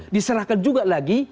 diserahkan juga lagi